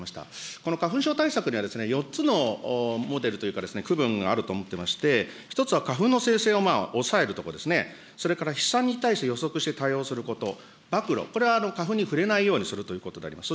この花粉症対策には、４つのモデルというか、区分があると思ってまして、１つは花粉の生成を抑えるとかですね、それから飛散に対して予測して対応すること、ばくろ、これは花粉に触れないようにするということです。